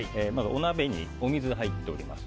お鍋にお水が入っております。